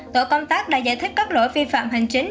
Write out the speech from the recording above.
tổ công tác đã giải thích các lỗi vi phạm hành chính